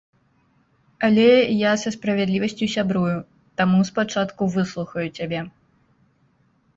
Але я са справядлівасцю сябрую, таму спачатку выслухаю цябе.